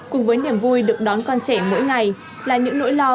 cùng với niềm vui được đón con trẻ mỗi ngày là những nỗi lo